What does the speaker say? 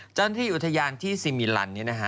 เจ้าหน้าที่อยู่ทะยานที่สิมิลันเนี่ยนะฮะ